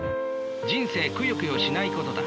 人生くよくよしないことだ。